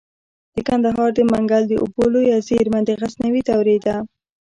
د کندهار د منگل د اوبو لوی زیرمه د غزنوي دورې ده